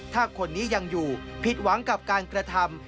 ถ้าคนนี้ยังอยู่ผิดหวังกับการกระทำ